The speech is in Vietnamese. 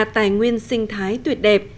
tài nguyên sinh thái tuyệt đẹp